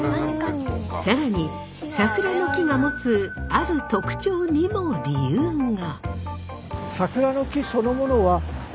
更に桜の木が持つある特徴にも理由が。